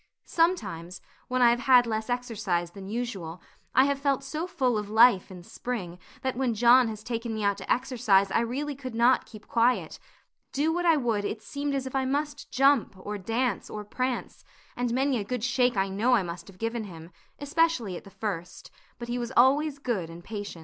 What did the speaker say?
Sometimes, when I have had less exercise than usual, I have felt so full of life and spring that when John has taken me out to exercise I really could not keep quiet; do what I would, it seemed as if I must jump, or dance, or prance, and many a good shake I know I must have given him, especially at the first; but he was always good and patient.